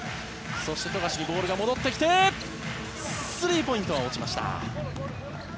そして富樫にボールが戻ってきてスリーポイントは落ちました。